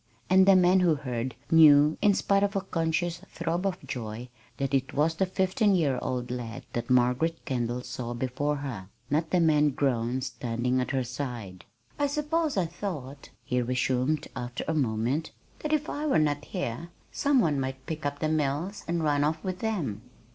And the man who heard knew, in spite of a conscious throb of joy, that it was the fifteen year old lad that Margaret Kendall saw before her, not the man grown standing at her side. "I suppose I thought," he resumed after a moment, "that if I were not here some one might pick up the mills and run off with them."